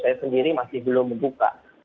mas agus sendiri masih belum membuka